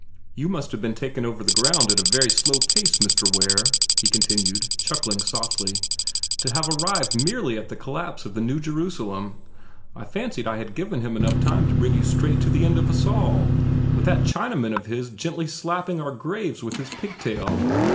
"You must have been taken over the ground at a very slow pace, Mr. Ware," he continued, chuckling softly, "to have arrived merely at the collapse of the New Jerusalem. I fancied I had given him time enough to bring you straight up to the end of all of us, with that Chinaman of his gently slapping our graves with his pigtail.